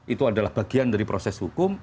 itu adalah bagian dari proses hukum